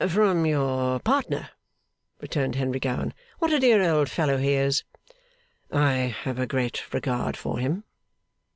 'From your partner?' returned Henry Gowan. 'What a dear old fellow he is!' 'I have a great regard for him.